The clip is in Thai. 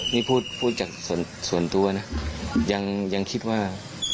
นี่พูดจากส่วนตัวนะยังคิดว่า